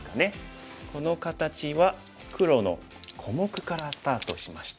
この形は黒の小目からスタートしました。